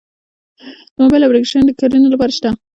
د موبایل اپلیکیشن د کرنې لپاره شته؟